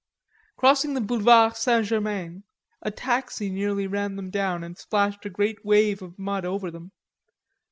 Crossing the Boulevard St. Germain, a taxi nearly ran them down and splashed a great wave of mud over them.